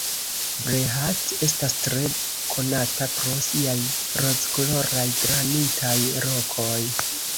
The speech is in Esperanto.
Brehat estas tre konata pro siaj rozkoloraj granitaj rokoj.